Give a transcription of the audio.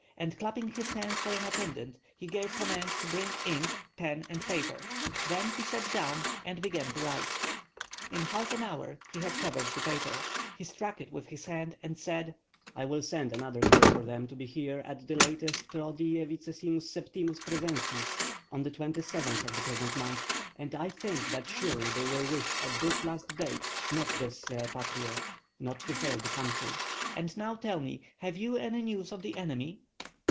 And clapping his hands for an attendant, he gave command to bring ink, pen, and paper; then he sat down and began to write. In half an hour he had covered the paper; he struck it with his hand, and said, "I will send another call for them to be here at the latest pro die 27 praesentis (on the 27th of the present month), and I think that surely they will wish at this last date non deesse patriæ (not to fail the country). And now tell me have you any news of the enemy?"